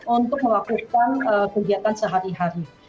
untuk melakukan kegiatan sehari hari